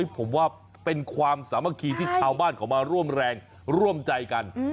ผมว่าเป็นความสามัคคีที่ชาวบ้านเขามาร่วมแรงร่วมใจกัน